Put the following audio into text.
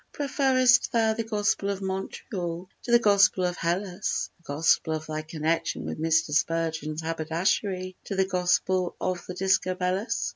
"Preferrest thou the gospel of Montreal to the gospel of Hellas, The gospel of thy connection with Mr. Spurgeon's haberdashery to the gospel of the Discobolus?"